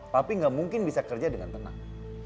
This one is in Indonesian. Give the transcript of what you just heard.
papi gak mungkin bisa kerja dengan tenang